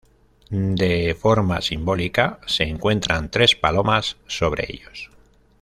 De forma simbólica, se encuentran tres palomas sobre ellos.